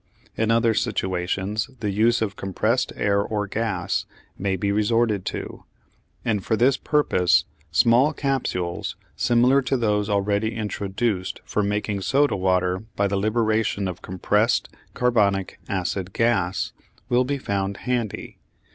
In other situations the use of compressed air or gas may be resorted to, and for this purpose small capsules, similar to those already introduced for making soda water by the liberation of compressed carbonic acid gas, will be found handy.